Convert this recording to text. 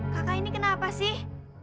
kakak ini kenapa sih